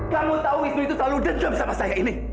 kamu tahu itu selalu denjam sama saya ini